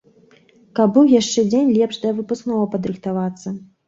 Каб быў яшчэ дзень лепш да выпускнога падрыхтавацца.